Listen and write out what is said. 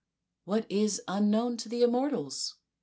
" What is unknown to the immortals